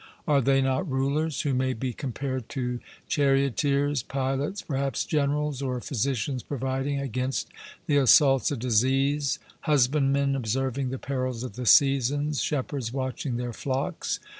Are they not rulers, who may be compared to charioteers, pilots, perhaps generals, or physicians providing against the assaults of disease, husbandmen observing the perils of the seasons, shepherds watching their flocks?